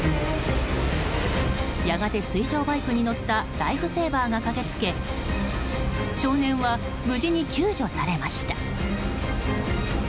やがて水上バイクに乗ったライフセーバーが駆け付け少年は無事に救助されました。